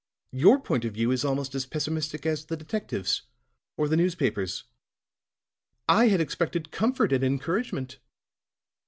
"Your point of view is almost as pessimistic as the detectives', or the newspapers'. I had expected comfort and encouragement."